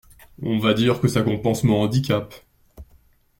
On va dire que ça compense mon handicap.